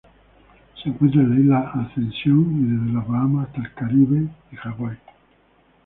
Se encuentra en la Isla Ascensión, desde las Bahamas hasta el Caribe y Hawái.